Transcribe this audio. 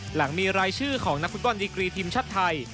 หลังมีรายชื่อของนักฟุตบอลดีกรีทีมชาติไทย